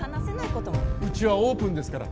うちはオープンですから。